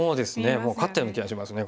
もう勝ったような気がしますね